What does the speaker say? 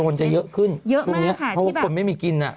โกงจะเยอะขึ้นช่วงนี้เพราะว่าคนไม่มีกิน